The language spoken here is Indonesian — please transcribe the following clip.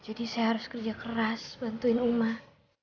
jadi saya harus kerja keras bantuin umar